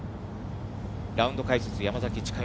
ラウンド解説、山崎千佳代